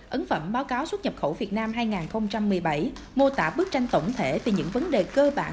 ấn phẩm báo cáo xuất nhập khẩu việt nam hai nghìn một mươi bảy mô tả bức tranh tổng thể từ những vấn đề cơ bản